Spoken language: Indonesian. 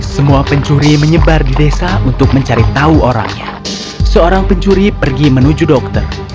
semua pencuri menyebar di desa untuk mencari tahu orangnya seorang pencuri pergi menuju dokter